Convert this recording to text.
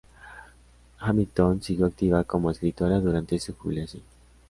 Hamilton siguió activa como escritora durante su jubilación.